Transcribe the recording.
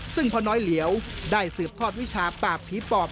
ซึ่งพ่อน้อยเหลียวได้สืบทอดวิชาปากผีปอบ